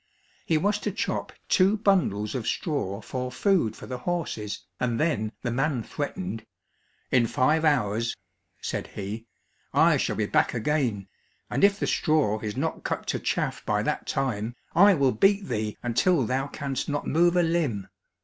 He was to chop two bundles of straw for food for the horses, and then the man threatened: "In five hours," said he, "I shall be back again, and if the straw is not cut to chaff by that time, I will beat thee until thou canst not move a limb."